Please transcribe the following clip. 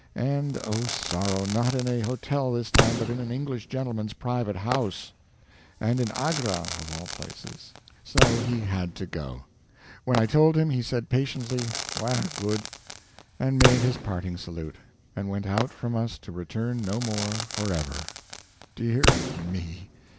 And oh, sorrow! not in a hotel this time, but in an English gentleman's private house. And in Agra, of all places. So he had to go. When I told him, he said patiently, "Wair good," and made his parting salute, and went out from us to return no more forever. Dear me!